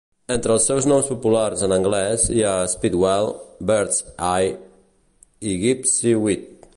Entre els seus noms populars en anglès hi ha "speedwell", "bird's eye" i "gypsyweed".